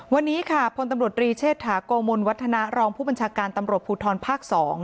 วันนี้ค่ะพลตำรวจรีเชษฐาโกมลวัฒนารองผู้บัญชาการตำรวจภูทรภาค๒